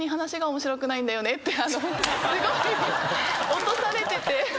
すごく落とされてて。